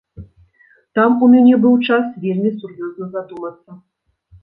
Там у мяне быў час вельмі сур'ёзна задумацца.